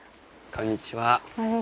こんにちは。